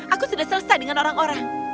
aku sudah selesai dengan orang orang